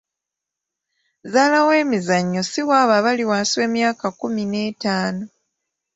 Zzaala w'emizannyo si waabo abali wansi w'emyaka ekkumi n'etaano.